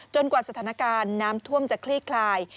กว่าสถานการณ์น้ำท่วมจะคลี่คลาย